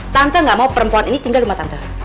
tante gak mau perempuan ini tinggal sama tante